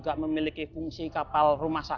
jadi pas kalau travisa